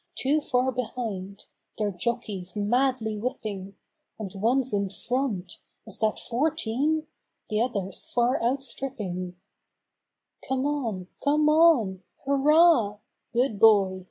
Two far behind; their jockeys madly whipping And one's in front—is that Fourteen?— the others far outstripping. \\\\\\\\\\ R \ I Come on! COME ON! Hurrah! Good boy!